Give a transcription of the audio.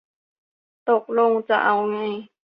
ตกลงจะเอาไง